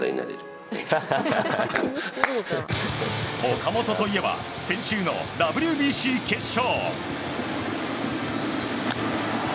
岡本といえば先週のＷＢＣ決勝。